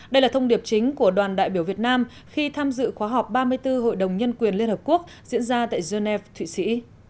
đây là thông điệp chính của đoàn đại biểu việt nam khi tham dự khóa họp ba mươi bốn hội đồng nhân quyền liên hợp quốc diễn ra tại geneva thụy sĩ